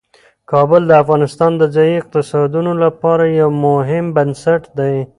کابل د افغانستان د ځایي اقتصادونو لپاره یو مهم بنسټ دی.